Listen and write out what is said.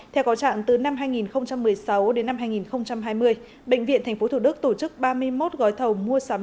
theo có trạng từ năm hai nghìn một mươi sáu đến năm hai nghìn hai mươi bệnh viện tp thủ đức tổ chức ba mươi một gói thầu mua sắm